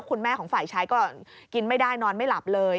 คุณแม่ของฝ่ายชายก็กินไม่ได้นอนไม่หลับเลย